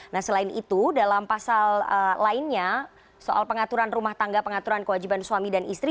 nah selain itu dalam pasal lainnya soal pengaturan rumah tangga pengaturan kewajiban suami dan istri